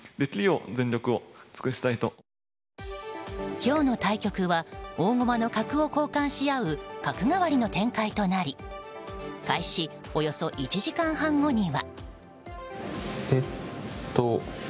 今日の対局は大駒の角を交換し合う角換わりの展開となり開始およそ１時間半後には。